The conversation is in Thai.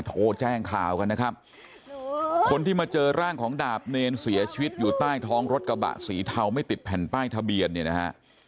โทรแจ้งข่าวกันนะครับคนที่มาเจอร่างของดาบเนรเสียชีวิตอยู่ใต้ท้องรถกระบะสีเทาไม่ติดแผ่นป้ายทะเบียนเนี่ยนะฮะ